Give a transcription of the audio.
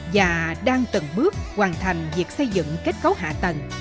và đang từng bước hoàn thành việc xây dựng kết cấu hạ tầng